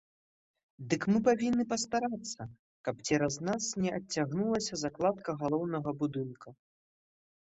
Дык мы павінны пастарацца, каб цераз нас не адцягнулася закладка галоўнага будынка.